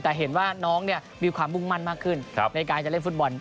แต่เห็นว่าน้องมีความมุ่งมั่นมากขึ้นในการจะเล่นฟุตบอล